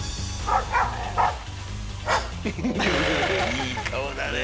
いい顔だねえ。